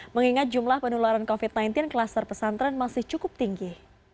mengingat jumlah penularan covid sembilan belas kluster pesantren masih cukup tinggi